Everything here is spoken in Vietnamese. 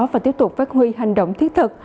và tiếp tục phát huy hành động thiết thực